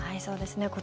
そうですね。